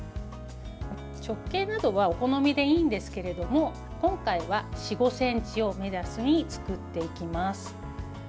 直径などはお好みでいいんですけれども今回は４５ｃｍを目安に作っていきます。